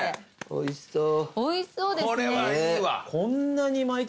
おいしそう。